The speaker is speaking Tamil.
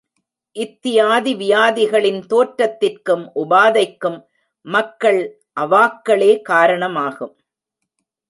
இத்தியாதி வியாதிகளின் தோற்றத்திற்கும் உபாதைக்கும் மக்கள் அவாக்களே காரணமாகும்.